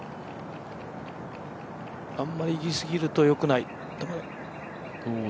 あんまり行き過ぎるとよくない。